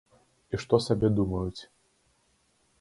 І што сабе думаюць.